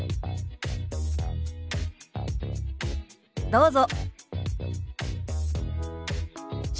どうぞ。